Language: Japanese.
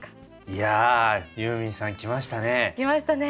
いやユーミンさんきましたね。